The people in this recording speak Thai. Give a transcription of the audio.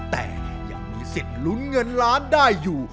แต่อย่างนี้เสร็จหลุนเงินล้านได้อยู่